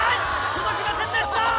届きませんでした！